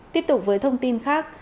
tiếp tục với thông tin khác